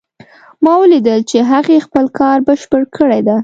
ما ولیدل چې هغې خپل کار بشپړ کړی ده